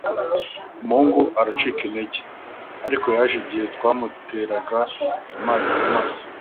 umuhungu aracika intege, ariko yaje igihe twamuteraga amazi mumaso